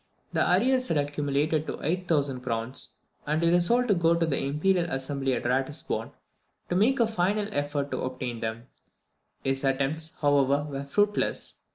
The arrears had accumulated to 8000 crowns, and he resolved to go to the Imperial Assembly at Ratisbon to make a final effort to obtain them. His attempts, however, were fruitless.